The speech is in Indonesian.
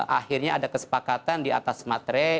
akhirnya ada kesepakatan diatas matre